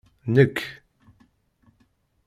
Nek!